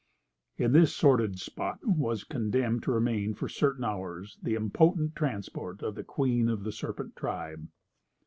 In this sordid spot was condemned to remain for certain hours the impotent transport of the Queen of the Serpent Tribe.